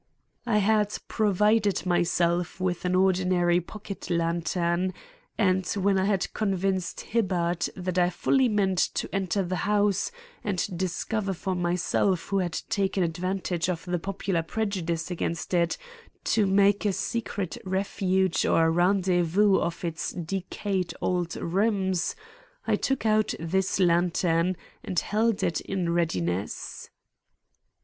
I had provided myself with an ordinary pocket lantern, and, when I had convinced Hibbard that I fully meant to enter the house and discover for myself who had taken advantage of the popular prejudice against it to make a secret refuge or rendezvous of its decayed old rooms, I took out this lantern and held it in readiness.